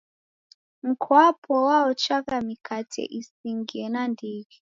Mkwapo waochagha mikate isingie nandighi.